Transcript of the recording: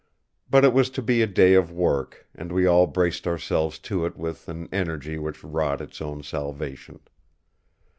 But it was to be a day of work; and we all braced ourselves to it with an energy which wrought its own salvation.